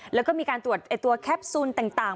แล้วก็มีการตรวจตัวแคปซูลต่าง